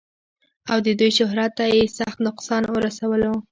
او د دوي شهرت تۀ ئې سخت نقصان اورسولو